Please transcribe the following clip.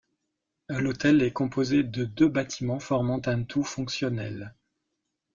L'hôtel est composé de deux bâtiments formant un tout fonctionnel.